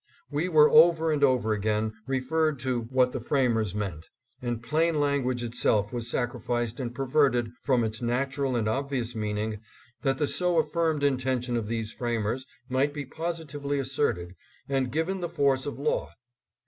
We were over and over again referred to what the framers meant, and plain language itself was sacrificed and perverted from its natural and obvious meaning that the so affirmed intention of these framers might be positively asserted and given the 664 ADDRESS AT LINCOLN HALL. force of law.